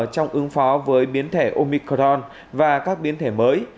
trong ứng phó với biến thể omicorn và các biến thể mới